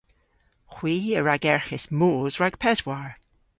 Hwi a ragerghis moos rag peswar.